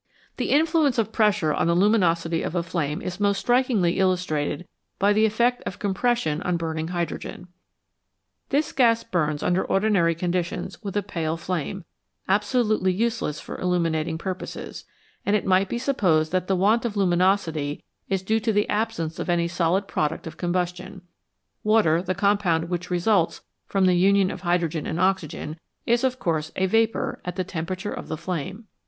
The influence of pressure on the luminosity of a flame is most strikingly illustrated by the effect of compres sion on burning hydrogen. This gas burns under ordinary conditions with a pale flame, absolutely useless for illumi nating purposes, and it might be supposed that the want of luminosity is due to the absence of any solid product of combustion ; water, the compound which results from the union of hydrogen and oxygen, is, of course, a vapour at the temperature of the flame.